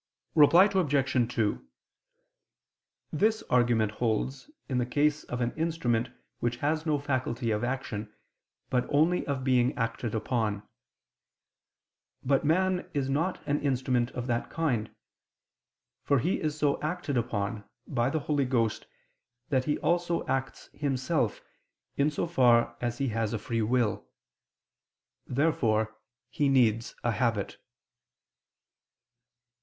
Reply Obj. 2: This argument holds, in the case of an instrument which has no faculty of action, but only of being acted upon. But man is not an instrument of that kind; for he is so acted upon, by the Holy Ghost, that he also acts himself, in so far as he has a free will. Therefore he needs a habit.